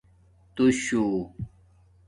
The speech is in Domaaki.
تُو شُو